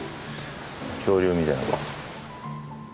恐竜みたい。